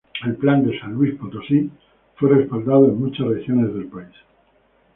El Plan de San Luis Potosí, fue respaldado en muchas regiones del país.